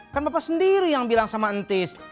kan bapak sendiri yang bilang sama entis